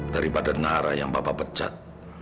daripada nara yang bapak pecat